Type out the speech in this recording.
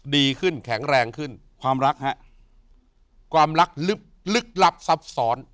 ดีขึ้นแข็งแรงขึ้นความรักฮะความรักลึกลึกลับซับซ้อน